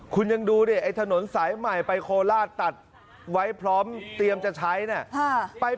คุณยังดูเนี่ยไอ้ถนนสายใหม่ไปโคลาตตัดไว้พร้อมเตรียมจะใช้